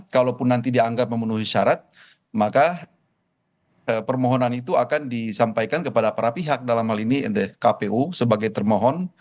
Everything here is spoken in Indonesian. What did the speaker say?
kalaupun nanti dianggap memenuhi syarat maka permohonan itu akan disampaikan kepada para pihak dalam hal ini kpu sebagai termohon